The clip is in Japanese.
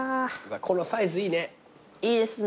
このサイズいいね。